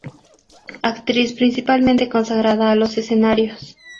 Actriz principalmente consagrada a los escenarios.